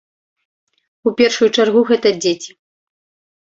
У першую чаргу гэта дзеці.